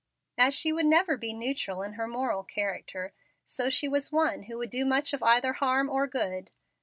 As she would never be neutral in her moral character, so she was one who would do much of either harm or good.